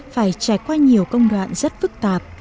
phải trải qua nhiều công đoạn rất phức tạp